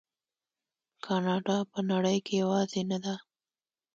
کاناډا په نړۍ کې یوازې نه ده.